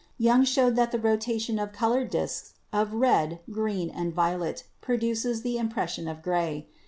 Young showed that the rotation of colored disks of red, green and violet produces the impression of gray.